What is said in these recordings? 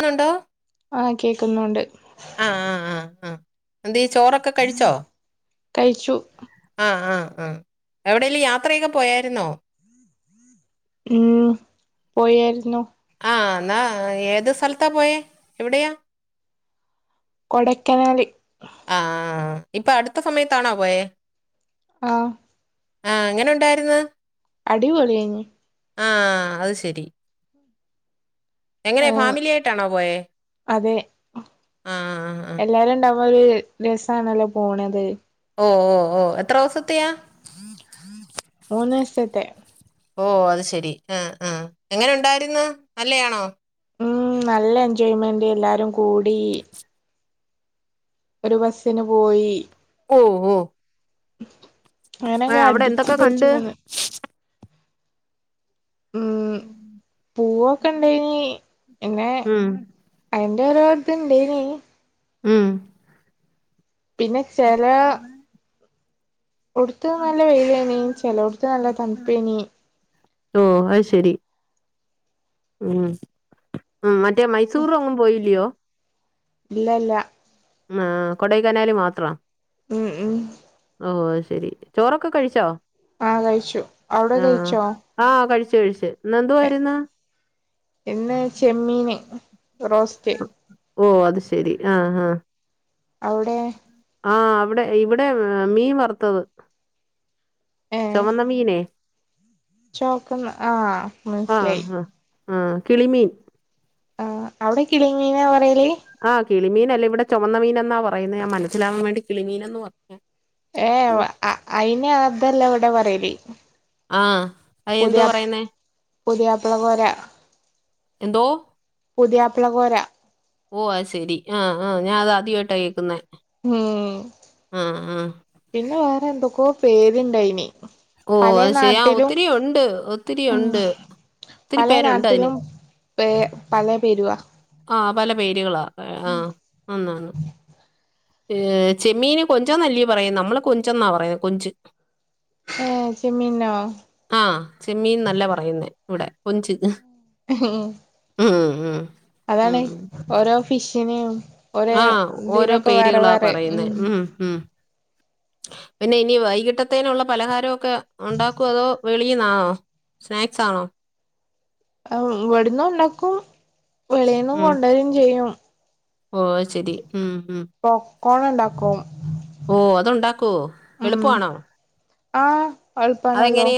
ന്നുണ്ടോ ആഹ് കേക്കുന്നുണ്ട് ആഹ് ആഹ് ആഹ് ആഹ് എന്തേ ചോറൊക്കെ കഴിച്ചോ കഴിച്ചു ആഹ് ആഹ് എവിടെലും യാത്രയൊക്കെ പോയാരുന്നോ ഉം പോയാരുന്നു ആഹ് എന്നാ ഏത് സ്ഥലത്താ പോയേ എവിടെയാ കൊടൈക്കനാലി ആഹ് ആഹ് ഇപ്പൊ അടുത്ത സമയത്താണോ പോയേ ആഹ് ആഹ് എങ്ങനുണ്ടായിരുന്ന് അടിപൊളിയേനി ആഹ് അത് ശരി എങ്ങനെ ഏഹ് ഫാമിലി ആയിട്ടാണോ പോയേ അതെ ആ ആ ആ എല്ലാരും ഇണ്ടാവുമ്പൊ ഒരു രസാണല്ലോ പോണത് ഓ ഓ ഓ എത്രൊവസത്തെയാ മൂന്ന്സത്തെ ഓ അത് ശെരി ആഹ് ആഹ് എങ്ങനെ ഉണ്ടായിരുന്ന് നല്ലയാണോ ഉം നല്ല എൻജോയ്മെന്റ് എല്ലാരും കൂടി ഒരു ബസിന് പോയി ഓഹ് ഓഹ് അങ്ങനൊക്കെ അവിടെ അടിച്ചു എന്തൊക്കെ പൊളിച്ചു കണ്ട് പോന്ന് ഉം പൂവൊക്കെ ഇണ്ടെയ്നി എന്നെ ഉം അയിന്റെ ഓരോര്ത് ഇണ്ടേനി ഉം പിന്നെ ചെലാ ടുത്ത് നല്ല വെയിലേനി ചെലോടത്ത് നല്ല തണുപ്പേനീ ഓ അത് ശെരി ഉം ഉം മറ്റേ മൈസൂറെങ്ങും പോയില്ലയോ ഇല്ല ല്ല ആഹ് കൊടൈക്കനാല് മാത്രവ ഉം ഉം ഓ അത് ശെരി ചോറൊക്കെ കഴിച്ചോ ആ കഴിച്ചു അവിടെ ആഹ് ആഹ് കഴിച്ചു കഴിച്ച് എ ഇന്ന് ചെമ്മീന് റോസ്റ്റ് ഓ അത് ശെരി ആഹ് ആഹ് ഔടെ ആഹ് അവിടെ ഇവിടെ മീൻ വറുത്തത് ഏ ചൊമന്ന മീനെ ചോക്കുന്ന ആ മനസ്സിലായി ഉം കിളിമീൻ ആ അവ്ടെ കിളിമീനാ പറയല് ആ കിളിമീനല്ല ഇവിടെ ചൊമന്ന മീനെന്നാ പറയുന്നെ ഞാൻ മനസിലാവാൻ വേണ്ടി കിളിമീനെന്ന് പർഞ്ഞ് ഏ വ അ അയിന് അതല്ലവിടെ പറയല് ആഹ് അയ്എന്തോ പുതിയ പറയുന്നേ പുതിയാപ്പള കോര എന്തോ പുതിയാപ്പ്ള കോര ഓഹ് അത് ശെരി ആഹ് ആഹ് ഞാൻ അത് ആദ്യായിട്ടാ കേക്കുന്നേ ഉം ആഹ് ആഹ് പിന്നെ വേറെന്തൊക്കോ പേരുണ്ടയിനി ഓ അത് ശെരി ഒത്തിരി യൂണ്ട് ഒത്തിരി യൂണ്ട് പലെ നാട്ടിലും പ പലേ പേരുവാ ആ പല പേരുകളാ ആഹ് അന്നാന്ന് ഏ ചെമ്മീന് കൊഞ്ച് നല്ലി പറയും നമ്മള് കൊഞ്ചെന്നാ പറയുന്നത് കൊഞ്ച് ഏ ചെമ്മീന്നോ ആഹ് ചെമ്മീൻനല്ല പറയുന്നേ ഇവിടെ കൊഞ്ച് ഉം ഉം ഉം ഉം. അതാണെയ് ഓരോ ഫിഷിനെയും ഒരേ ആഹ് ഓരോ ഇതിനൊക്കെ വേറെ പേരുകളാ വേറെ പറയുന്നെ ഉം ഉം പിന്നെ ഇനി വൈകിട്ടത്തേനുള്ള പലഹാരമൊക്കെ ഉണ്ടാക്കോ അതോ വെളിയിന്നാണോ സ്നാക്സാണോ അത്‌ ഇവിടന്ന് ഉണ്ടാക്കും വെളയിന്നും കൊണ്ടരും ചെയ്യും ഓഹ് ശരി ഉം ഉം പോപ്കോണ് ണ്ടാക്കും ഓ അതുണ്ടാക്കോ എളുപ്പാണോ ആഹ് എൾപ്പാണല്ലോ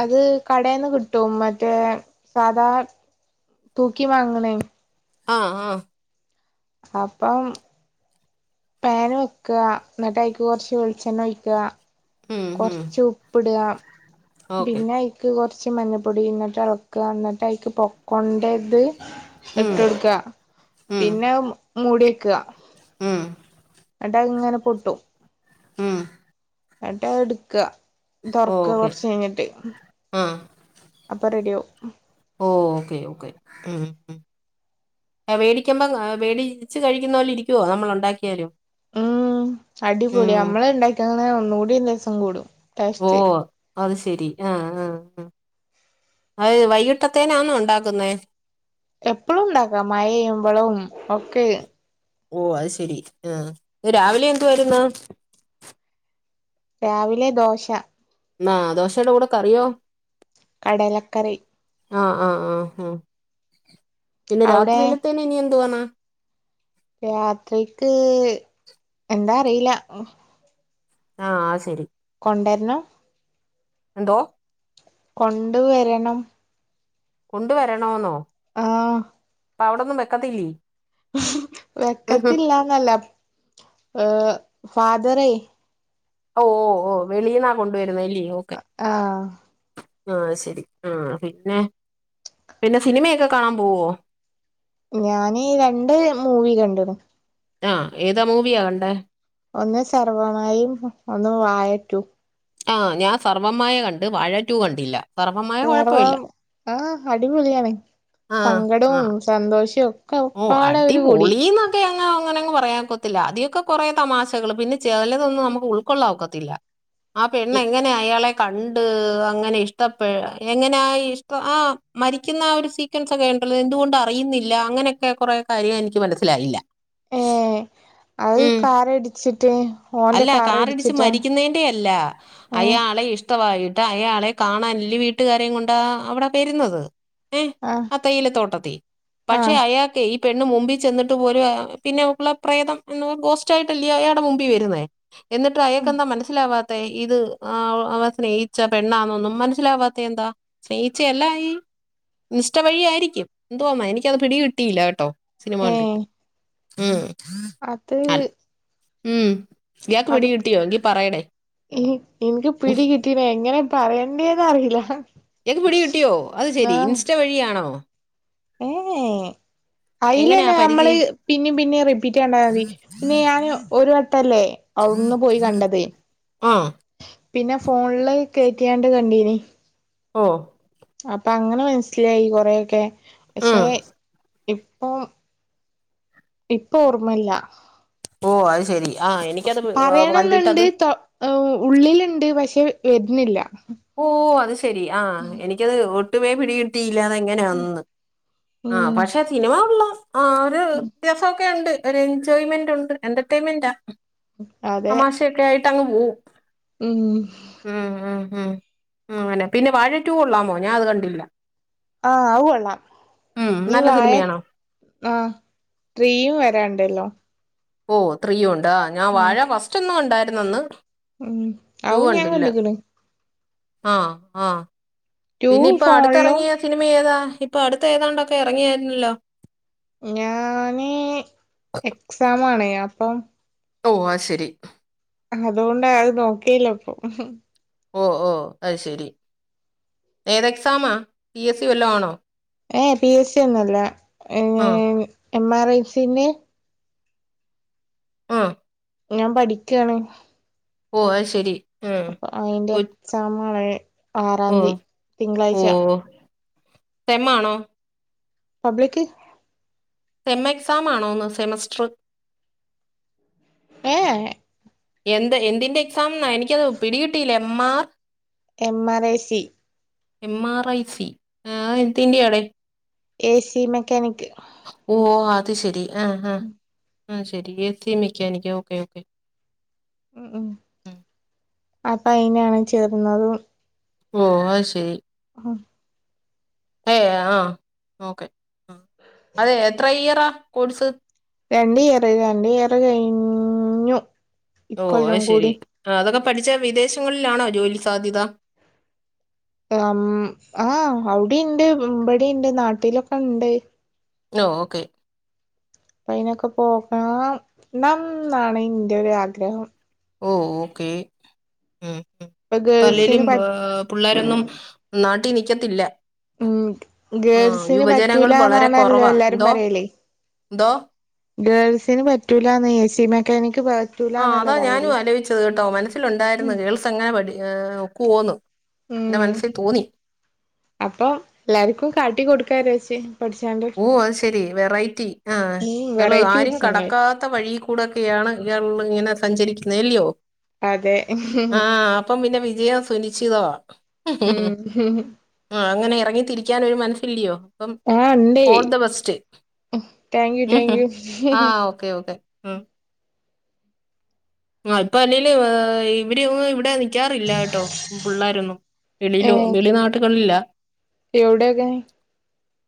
അത് കടേന്ന് കിട്ടും മറ്റേ സാധാ തൂക്കി വാങ്ങ്ണേ ആഹ് ആഹ് അപ്പം പാന് വെക്കാ എന്നിട്ട് അയിക്ക് കൊർച്ച് വെളിച്ചെണ്ണ ഒയ്ക്കാ ഉം ഉം. കൊർച്ച് ഉപ്പ്ടാ ഓക്കെ പിന്നയ് ക്ക് കൊർച്ച് മഞ്ഞപ്പൊടി എന്നിട്ട് എൾക്കാ എന്നിട്ട് അതിക്ക് പൊപ്കോൺന്റത് ഉം ഇട്ടൊട്ക്കാ ഉം പിന്നെ അത്‌ മൂടി വെക്കാ ഉം ന്നിട്ടത്ങ്ങനെ പൊട്ടും ഉം ന്നിട്ടത് ഇട്ക്കാ തൊർക്കാ ഓക്കെ കൊർച്ചയ്ഞ്ഞിട്ട് ആഹ് അപ്പൊ റെഡിയാവും ഓ ഓക്കെ ഓക്കെ ഉം ഉം എ വേടിക്കുമ്പോം വേടിച്ച് കഴിക്കുന്ന പോലെ ഇരിക്കുവോ നമ്മള് ഉണ്ടാക്കിയാലും ഉം അടിപൊളിയാ നമ്മള് ഉണ്ടാക്ക ക്കാണേ ഒന്നുംക്കൂടി രസം കൂടും ഓ ടേസ്റ്റ് ഓ അത് ശെരി ആഹ് ആഹ് അഹ് വൈകിട്ടത്തേനന്ന ഉണ്ടാക്കുന്നേ എപ്പളുംണ്ടാക്ക മഴപെയ്യുമ്പളും ഓക്കെ ഓ അത് ശെരി ആ രാവിലെ എന്ത് വായിരുന്ന രാവിലെ ദോശ എന്ന ദോശയുടെ കൂടെ കറിയോ കടലക്കറി ആഹ് ആഹ് ആഹ് ആഹ് പിന്നെ അവിടെ രാത്രിയിലത്തേനെ ഇനി എന്തു വേണാ യാത്രക്ക് എന്താ അറിയില്ല ആഹ് ആ ശരി കൊണ്ടെരണം എന്തോ കൊണ്ടുവരണം കൊണ്ടുവരണോെന്നോ ആഹ് അപ്പ അവിടൊന്നും വെക്കത്തില്ലെ വെക്കത്തില്ലാന്നല്ല ഏഹ് ഫാദറെ ഓ ഓ ഓ വെളീന്നാ കൊണ്ടുവരുന്ന അല്ലേയൊ. അ ആഹ് ആഹ് ശരി ആ പിന്നെ പിന്നെ സിനിമയൊക്കെ കാണാൻ പോവോ? ഞൻ രണ്ട് മൂവി കണ്ട്ണ്. ആ ഏതാ മൂവിയാ കണ്ടേ? ഒന്ന് സർവ്വമായും ഒന്ന് വായറ്റു. ആ ഞാൻ സർവ്വംമ്മായ കണ്ട് വാഴറ്റു. കണ്ടില്ല. സർവമായ എങ്ങനാ കുഴപ്പമില്ല ആഹ് അടിപൊളിയാണ് ആ ആ സങ്കടവും സന്തോഷും ഒപ്പാടൊരു കൂടി. [unintelligible] പറയാക്കത്തില്ല അതിൊക്കെ കൊറെേ തമാശകള് പിന്നെ ചെലതൊന്നും നമുക്ക് ഉൾക്കൊള്ളാൻ ഒക്കത്തില്ല. ആ പെണ്ണെങ്ങനെ അയാളെ- കണ്ട് അങ്ങനെ ഇഷ്ടപ്പെ എങ്ങനൊ ഇഷ്ട ആ മരിക്കുന്ന ആ ഒരു സീ ചണ്ടത് എന്തുകൊണ്ട് അറിയുന്നില്ല അങ്ങനെയൊക്കെ കൊറെ കാര്യം എനിക്ക് മനസ്സിലായില്ല. ഏഹ് അത് ഉം കാറടിച്ചിട്ട്. അല്ല കാറിടിച്ച് മരിക്കുന്നതിന്റെ അല്ല. ഏഹ് അയാളെ ഇഷ്ടമായിട്ട് അയാളെ കാണാൻല് വീട്ടുകാരെ കൊണ്ടാ അവിടെ വരുന്നത്. ഏ ആഹ് അ തേയിലതോട്ടത്തി പക്ഷെ ആഹ് അയാൾക്കെ ഈ പെണ്ണ് മുമ്പിൽ ചെന്നിട്ട്. പിന്നെ ഓളെപ്രേതം ഗോസ്റ്റായിട്ടല്ലേ അയാടെ മുമ്പിൽ വരുന്നേ. എന്നിട്ട് അയാക്കെന്താ മനസ്സിലാവാ ദേ ഇത് ആ അവ സ്നേഹിച്ച പെണ്ണാന്നൊന്നും മനസ്സിലാവാത്ത എന്താ സ്നേഹിച്ച എല്ലാം ആയി ഇൻസ്റ്റാ വഴിയായിയിരിക്കും എന്തോന്നാ എനിക്കത് പിടി കിട്ടിയില്ല കേട്ടോ. സിനിമ ഏഹ് കണ്ടിട്ട് ഉം. അത്- അല്ല ഉം യാക്ക് അത് പിടി കിട്ടിയോ എങ്കി പറയണേ! ഇക്ക്ത് എങ്ങനെ പറയണ്ടേന്ന് അറിയില്ല? എക്ക് പിടി കിട്ടിയോ അത് ശെരി ആഹ് ഇൻസ്റ്റ വഴിയാണോ? ഏഹ് എങ്ങനെയാ അയിലന്നെ. മ്മള് പരിചയം പിന്നിം പിന്നിം റിപ്പീറ്റ് കണ്ടാൽ മതി. പിന്നെ ഞാൻ ഒരു വട്ടല്ലേ അവിടുന്ന് പോയി കണ്ടത്. ആഹ് പിന്നെ ഫോണില് കയറ്റിയാണ്ട് കണ്ടീന്. ഓഹ് അപ്പൊ അങ്ങനെ മനസ്സിലായി കൊറൊക്കെ ഉം പക്ഷെ- ഇപ്പൊം ഇപ്പൊ ഓർമ്മല്ല. ഓഹ് അത് ശെരി ആ എനിക്കത് പറയണംന്നുണ്ട് കണ്ടിട്ടത്. തൊ ഉള്ളിലുണ്ട് പക്ഷെ വരുന്നില്ല ഓ അത് ശെരി ആഹ് എനിക്കത് ഒട്ട ഒട്ടുമേ പിടികിട്ടിയില്ലാ അത് എങ്ങനെ ആണെന്ന് ആഹ് ഉം പക്ഷെ സിനിമ ഉള്ള ആ ഒരു വ്യത്യാസൊക്കെ ണ്ട് ഒരു എൻജോയ്മെന്റ് ഉണ്ട് എന്റർടൈൻമെന്റാ അതെ അമാശയൊക്കെ ആയിട്ട് അങ് പോം. ഉം ഉം ഉം ഉം ഉ അങ്ങനെ പിന്നെ വാഴ ടു കിള്ളാമോ ഞാൻ അത് കണ്ടില്ല. ആഹ് അത് കൊള്ളാം ഉം, ഇനി നല്ല വാഴ സിനിമയാണോ ആഹ് ത്രീയും വരാണ്ടല്ലോ. ഓ ത്രീയുണ്ടോ ഞാൻ വാഴ ഫസ്റ്റ് ഒന്ന് കണ്ടായിരുന്നന്ന്.. ഉമ് അതും ഞാൻ കണ്ട്ക്ക്ണ്. ആഹ് ആഹ് ടു പിന്നെ ഇപ്പൊ ഫോണിലും അടുത്ത്റങ്ങിയാ സിനിമ ഏതാ ഇപ്പൊഅടുത്തേതാണ്ടൊക്കെ ഇറങ്ങിയായിരുന്നല്ലോ? ഞാന് എക്സാമാണ് അപ്പം. ഓഹ് അത് ശരി. അതോണ്ട് അത് നോക്കില്ല ഇപ്പൊ. ഓഹ് ഓഹ് അത് ശരി ഏത് എക്സാമാ? പി എസ് സി വല്ലോം ആണോ? ഏഹ് പി എസ് സി ഒന്നുമല്ല. ആ എം ആർ ഐ സിന്റെ ആഹ് ഞാൻ പഠിക്കയാണ്! ! ഓഹ് അതു ശരി ഉം. അപ്പൊ അയിന്റെ കൊ- എക്സാമാണ്. ആറാം ഓ ന്തി തിങ്കളാഴ്ച സെമ്മാണോ? പബ്ലിക്ക് സെം എക്സാം ആണോന്ന് സെമസ്റ്റർ ഏഹ്. എന്ത് എന്തിന്റെ എക്സാംന്നാ? എനിക്കത് പിടികിട്ടിയില്ല, M, R?? M R I C M R I C അതു എന്തിൻ്റെ ആടെ? ഏ സി മെക്കാനിക്ക് ഓഹ് അത് ശരി ആഹ് ആഹ് ആഹ് ശരി A C mechanic okay okay ഉം അപ്പൊ അയിനാണ് ചേർന്നതും ഓഹ് അതു ശരി! ! ഉം.... ഏഹ് ആഹ് ഓക്കെ ആഹ് അതെ എത്ര ഇയറാ കോഴ്സ്? രണ്ട് ഇയറ് രണ്ട് ഇയറ് കഴിഞ്ഞു ഓഹ് അതു ഇക്കൊല്ലം ശെരി കൂടി അതൊക്കെ പഠിച്ചാ വിദേശങ്ങളിലാണോ ജോലി സാധ്യത? ആം ആഹ് അവിഡിണ്ട് ഇവിടെണ്ട് നാട്ടിലൊക്കെണ്ട് നോ ഓക്കെ അപ്പ അതിനൊക്കെ പോകണം ണംന്നാണ് ഇന്റെ ഒരു ആ ഗ്രഹം ഓഹ് ഓക്കേ ഉം ഉം ഇപ്പൊ ഇപ്പോ ഗേൾസിന് അല്ലേലും പ പുള്ളേരൊന്നും നാട്ടി നിക്കത്തില്ല ഉം ആ ഗേൾസിന് യുവജനങ്ങൾ വളരെ പറ്റൂല്ലാന്നാണല്ലോ കുറവാ എല്ലാരും എന്തോ പറയലേ? എന്തോ ഗേൾസിന് പറ്റൂല്ലന്ന് ഏ സി മെക്കാനിക്ക് പ ആഹ് അതാ ഞാനും ആലോചിച്ചത്. കേട്ടോ മനസ്സിലുണ്ടായിരുന്നു ഗേൾസ് എങ്ങനെ പടി ഒക്കുവോന്ന് എന്റെ മനസ്സിൽ തോന്നി അപ്പൊ എല്ലാർക്കും കാട്ടി കൊടുക്കാന്നു വെച്ചു ഓഹ് അത് ശെരി വെറൈറ്റി. ആഹ് ഉം ഇയാള് വെറൈറ്റി ആരും പിടിച്ചണ്ടേ കടക്കാ ത്ത വഴിൽ കൂടൊക്കെയാണ് ഇയാൾ ഇങ്ങനെ സഞ്ചരിക്കുന്നത് അല്ലിയോ? അതെ ആഹ് അപ്പം പിന്നെ വിജയം സുനിശ്ചിതവാ. ഹ്ഹ ഹ്ഹ ഹ്ഹ ഉം പ്പോ ആഹ് അങ്ങനെ ഇറങ്ങി തിരിക്കാൻ ഒരു മനസ്സില്ലിയോ അപ്പം ആഹ് in all the best you ഉം താങ്ക് യു ആഹ് ഓക്കെ ഓക്കെ ഉം ആഹ് ഇപ്പ അല്ലേല് ആഹ് ഇവര് ഇവിടെ നി ക്കാറില്ല കേട്ടോ പിള്ളാരൊന്നും വെളിയിലോ വെളി നാട്ടുകളില എവടെക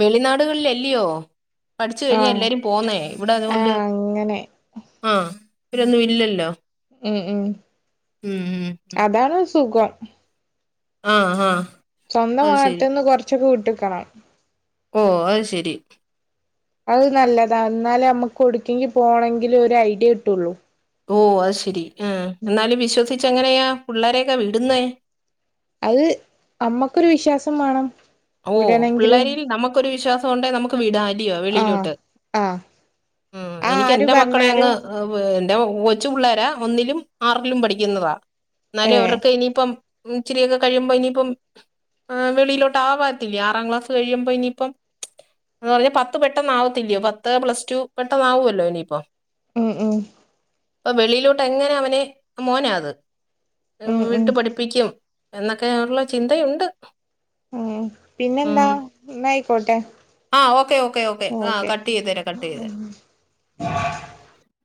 വെളിനാടുകളി ലല്ലയോ പഠിച്ചു കഴിഞ്ഞാ ആഹ് എല്ലാരും പോന്നേ ഇവിടെ അതുകൊണ്ട് ആഹ് അങ്ങനെ ആഹ് ഇവരൊന്നും ഇല്ലല്ലോ ഉം ഉം ഉം ഉം ഉം അതാണ് സുഖം ആഹ് സ്വന്തം അത് ശരി നാട്ടിന്ന് കൊറച്ചൊക്കെ വിട്ടിക്കണം ഓഹ് അത് ശരി അത് നല്ലതാ എന്നാലേ നമ്മുക്ക് വിടേക്കെങ്കിലും പോണമങ്കിലും ഒരു ഐഡിയ കിട്ടുള്ളൂ ഓഹ് അത് ശരി ആഹ് എന്നാലും വിശ്വസിച്ച് എങ്ങനെയാ പിള്ളേരൊക്കെ വിടുന്നേ അയിൽ നമ്മക്കൊരു വിശ്വാസം വേണം ഓഹ് വിടണെങ്കില് പിള്ളേരിരിൽ നമുക്കൊരു വിശ്വാസം ഉണ്ടേ നമുക്ക് വിടാ അല്ലിയോ ആഹ് വെളിയിലോട്ട് ആഹ് ഉം ആഹ് എനിക്ക് ആര് എന്റെ മക്കളെ അങ്ങ് പറഞ്ഞാലും ആഹ് എന്റേ കൊച്ചു പിള്ളേരാ ഒന്നിലും ആറിലും പഠിക്കുന്നതാ എന്നാലും ഏഹ് അവർക്ക് ഇനിയിപ്പം ഇച്ചിരിയൊക്കെ കഴിയുമ്പോ ഇനിയിപ്പം വെളിയിലോ ത്തവാത്തില്ല ആറാം ക്ലാസ് കഴിയുമ്പോ ഇനിയിപ്പം ന്ന് പറഞ്ഞാ പത്ത് പെട്ടെന്ന ആവത്തില്ലയോ പത്ത് പ്ലസ് ടു പെട്ടെന്നവുമല്ലോ ഇനിയിപ്പം ഉം ഉം പ്പൊ വെളിയിലോട്ട് എങ്ങനെ അവനെ മോനാത് ഉം ഉം വിട്ടു പഠിപ്പിക്കും എന്നൊക്കെ ഉള്ള ചിന്തയുണ്ട് ഉം പിന്നെന്താ എന്ന ആയിക്കോട്ടെ ആഹ് ഓക്കെ ഓക്കെ ഓക്കെ ആഹ് കട്ട് ചെയ്തേരേ കട്ട് ചെയ്തേരെ [inaudible]